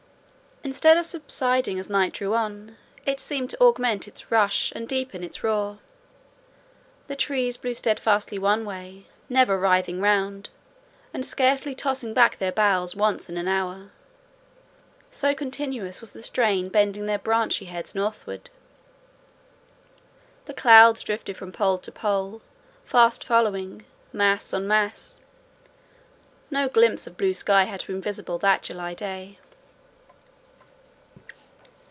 Instead of subsiding as night drew on, it seemed to augment its rush and deepen its roar: the trees blew steadfastly one way, never writhing round, and scarcely tossing back their boughs once in an hour; so continuous was the strain bending their branchy heads northward—the clouds drifted from pole to pole, fast following, mass on mass: no glimpse of blue sky had been visible that July day.